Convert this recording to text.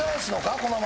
このまま。